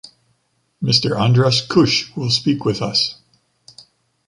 Mr. Andras Kosh will speak with us.